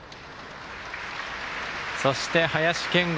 そして、林謙吾。